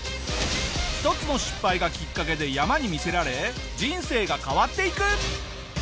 １つの失敗がきっかけで山に魅せられ人生が変わっていく！